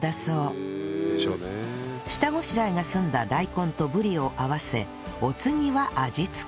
下ごしらえが済んだ大根とぶりを合わせお次は味付け